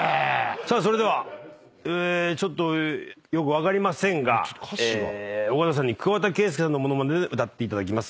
さあそれではちょっとよく分かりませんが尾形さんに桑田佳祐さんのものまねで歌っていただきます。